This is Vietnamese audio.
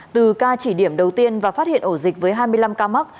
từ ca chỉ điểm đầu tiên và phát hiện ổ dịch với hai mươi năm ca mắc